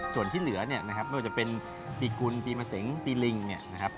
ส่วนที่เหลือนะครับไม่ว่าจะเป็นปีกุลปีมะเสงปีริงนะครับ